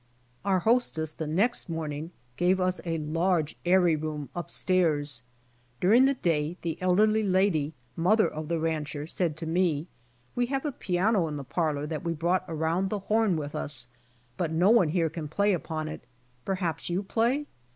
. Our hostess the next morning gave us a large airy room up stairs. During the day, the elderly lady, mother of the rancher, said to me, "We have a piano in the parlor that we brought around the horn with us but no one here can play upon it. Perhaps you play?"